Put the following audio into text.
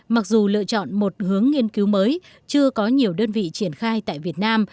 mặc dù lựa chọn một hướng nghiên cứu mới chưa có nhiều đơn vị triển khai tại việt nam